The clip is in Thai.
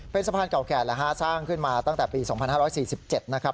เป็นสะพานเก่าแก่แล้วฮะสร้างขึ้นมาตั้งแต่ปี๒๕๔๗นะครับ